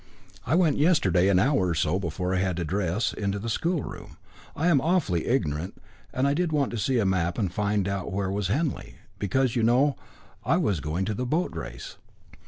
"I went yesterday an hour or so before I had to dress into the schoolroom. I am awfully ignorant, and I did want to see a map and find out where was Henley, because, you know, I was going to the boat race.